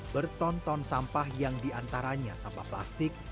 bertonton sampah yang diantaranya sampah plastik